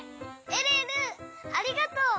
えるえるありがとう！